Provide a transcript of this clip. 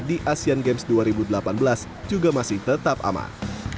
di asean games dua ribu delapan belas juga masih tetap aman